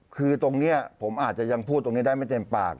คือตรงนี้ผมอาจจะยังพูดตรงนี้ได้ไม่เต็มปาก